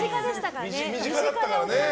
身近でしたからね。